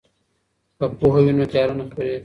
که پوهه وي نو تیاره نه خپریږي.